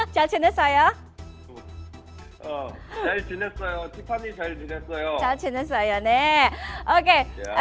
jal jenis saya oke